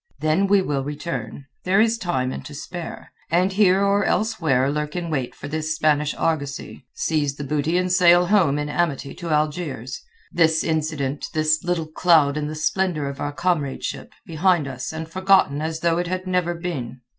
Then we will return—there is time and to spare—and here or elsewhere lurk in wait for this Spanish argosy, seize the booty and sail home in amity to Algiers, this incident, this little cloud in the splendour of our comradeship, behind us and forgotten as though it had never been.